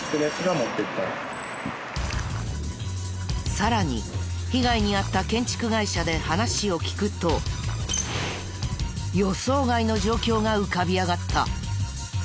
さらに被害に遭った建築会社で話を聞くと予想外の状況が浮かび上がった。